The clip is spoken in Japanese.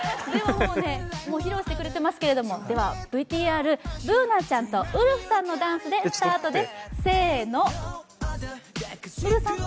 披露してくれてますけど、ＶＴＲＢｏｏｎａちゃんとウルフさんのダンスでスタートです。